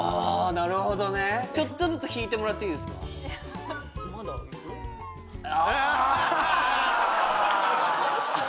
なるほどねちょっとずつ引いてもらっていいですかああ